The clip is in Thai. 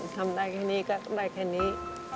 ทำได้แค่นี้ก็ได้แค่นี้